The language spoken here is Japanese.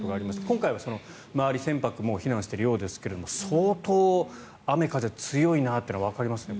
今回は周り、船舶はもう避難しているようですが相当、雨風強いなというのがここからわかりますね。